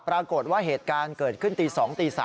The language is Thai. ปรากฏว่าเหตุการณ์เกิดขึ้นตี๒ตี๓